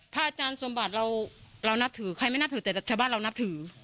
อาจารย์สมบัติเรานับถือใครไม่นับถือแต่ชาวบ้านเรานับถือ